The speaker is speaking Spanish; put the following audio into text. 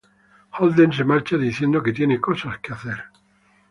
Holden se marcha diciendo que tiene cosas por hacer.